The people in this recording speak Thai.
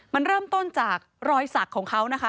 มันเริ่มต้นจากรอยสักของเขานะคะ